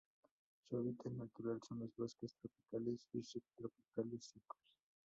Su hábitat natural son los bosques tropicales y subtropicales secos.